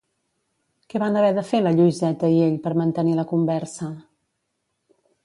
Què van haver de fer la Lluïseta i ell per mantenir la conversa?